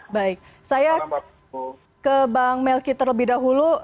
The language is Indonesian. baik saya ke bang melki terlebih dahulu